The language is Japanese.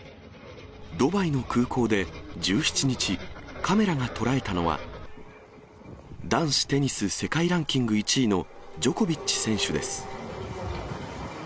ドバイの空港で１７日、カメラが捉えたのは、男子テニス世界ランキング１位のジョコビッチ選手です。